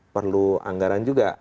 perlu anggaran juga